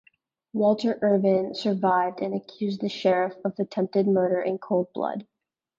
Walter Irvin survived and accused the Sheriff of attempted murder in cold blood.